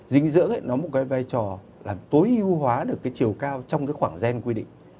dinh dưỡng nó là một cái vai trò làm tối ưu hóa được cái chiều cao trong cái khoảng gen quy định